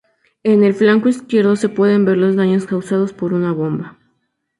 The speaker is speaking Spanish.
En el flanco izquierdo se pueden ver los daños causados por una bomba.